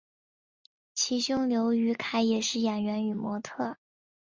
其兄刘雨凯也是演员与模特儿。